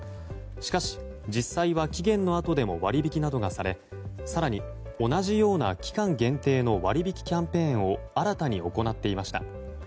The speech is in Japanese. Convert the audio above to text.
しかし、実際は期限のあとでも割引などがされ更に同じような期間限定の割引キャンペーンを新たに行っていました。